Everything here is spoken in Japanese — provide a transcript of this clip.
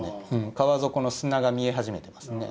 川底の砂が見え始めてますね。